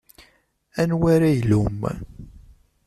Anwa ara ilumm?